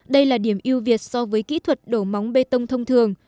đây là điểm ưu việt so với kỹ thuật đổ móng bê tông thông thường